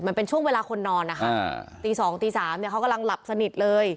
มันเป็นช่วงเวลาคนนอนนะคะตีสองตีสามเนี่ยเขากำลังหลับสนิทเลย